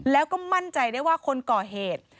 แล้วก็มั่นใจได้ว่าคนก่อเหตุ